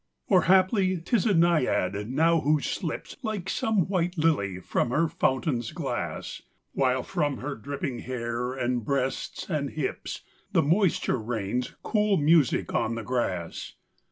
II Or, haply 'tis a Naiad now who slips, Like some white lily, from her fountain's glass, While from her dripping hair and breasts and hips The moisture rains cool music on the grass.